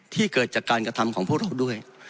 เกิดจากการกระทำของพวกเราด้วย